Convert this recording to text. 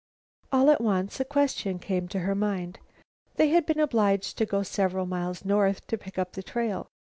All at once a question came to her mind. They had been obliged to go several miles north to pick up the trail.